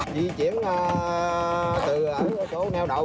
di chuyển từ chỗ neo đậu